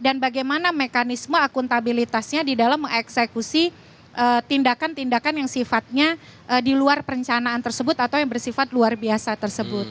dan bagaimana mekanisme akuntabilitasnya di dalam mengeksekusi tindakan tindakan yang sifatnya di luar perencanaan tersebut atau yang bersifat luar biasa tersebut